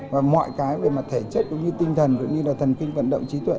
và mọi cái về mặt thể chất cũng như tinh thần cũng như là thần kinh vận động trí tuệ